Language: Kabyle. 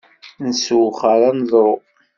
Nessewxer aneḍru.